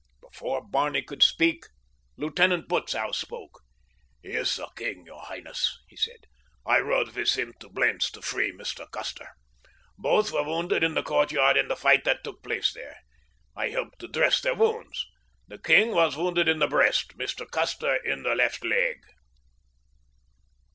Before Barney could speak Lieutenant Butzow spoke. "He is the king, your highness," he said. "I rode with him to Blentz to free Mr. Custer. Both were wounded in the courtyard in the fight that took place there. I helped to dress their wounds. The king was wounded in the breast—Mr. Custer in the left leg."